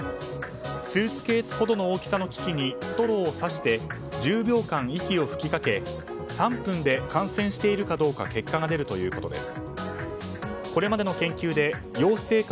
スーツケースほどの大きさの機器にストローをさして１０秒間、息を吹きかけ３分で感染しているかどうか結果が出るということです。